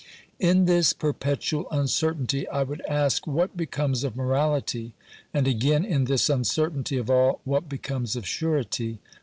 In this perpetual uncertainty I would ask what becomes of morality, and again, in this uncertainty of all, what becomes of surety